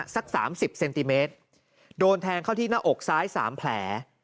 สัก๓๐เซนติเมตรโดนแทงเข้าที่หน้าอกซ้าย๓แผล